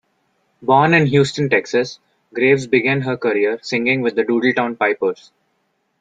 Born in Houston, Texas, Graves began her career singing with The Doodletown Pipers.